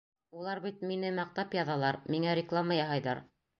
Улар бит мине маҡтап яҙалар, миңә реклама яһайҙар.